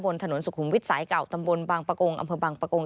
บนถนนสุขุมวิทย์สายเก่าตำบลบางประกง